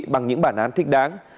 bằng những bản án thích đáng